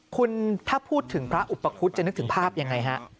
คุณถ้าพูดถึงพระอุปคุฎจะนึกถึงภาพยังไงฮะ